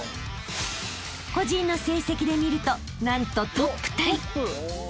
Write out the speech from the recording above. ［個人の成績で見ると何とトップタイ］